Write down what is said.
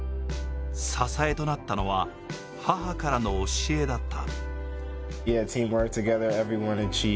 支えとなったのは、母からの教えだった。